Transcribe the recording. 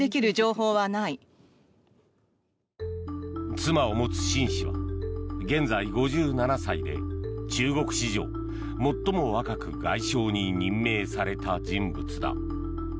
妻を持つシン氏は現在５７歳で中国史上最も若く外相に任命された人物だ。